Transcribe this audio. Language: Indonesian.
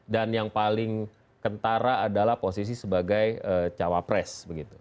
dan yang paling kentara adalah posisi sebagai cawapres